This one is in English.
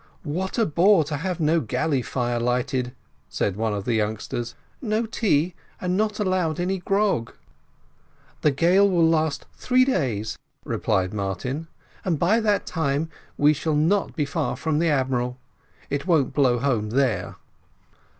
"What a bore to have no galley fire lighted," said one of the youngsters, "no tea, and not allowed any grog." "The gale will last three days," replied Martin, "and by that time we shall not be far from the admiral; it won't blow home there."